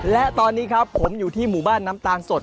และตอนนี้ครับผมอยู่ที่หมู่บ้านน้ำตาลสด